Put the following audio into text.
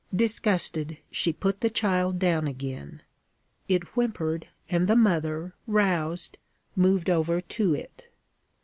Disgusted, she put the child down again. It whimpered, and the mother, roused, moved over to it.